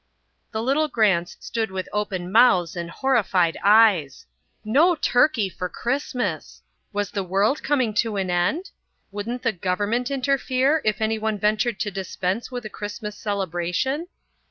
The little Grants stood with open mouths and horrified eyes. No turkey for Christmas! Was the world coming to an end? Wouldn't the government interfere if anyone ventured to dispense with a Christmas celebration?